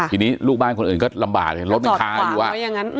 ทีนี้ลูกบ้านคนอื่นก็ลำบากเห็นรถมันคาอยู่อ่ะ